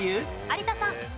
有田さん。